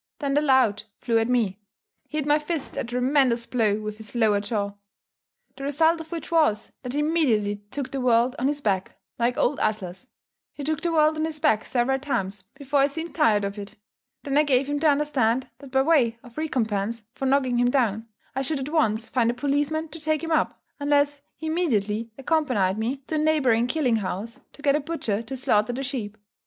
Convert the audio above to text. Then the lout flew at me. He hit my fist a tremendous blow with his lower jaw, the result of which was, that he immediately took the world on his back, like old Atlas he took the world on his back several times before he seemed tired of it. Then I gave him to understand, that by way of recompense for knocking him down, I should at once find a policeman to take him up, unless he immediately accompanied me to a neighbouring killing house, to get a butcher to slaughter the sheep.